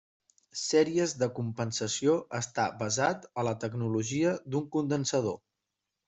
Sèries de compensació està basat a la tecnologia d'un condensador.